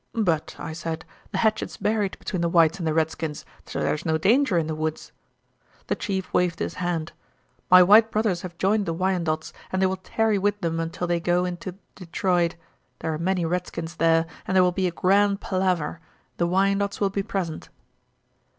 'But,' I said, 'the hatchet's buried between the whites and the redskins, so there's no danger in the woods.' The chief waved his hand. 'My white brothers have joined the Wyandots, and they will tarry with them until they go into Detroit. There are many redskins there, and there will be a grand palaver. The Wyandots will be present.'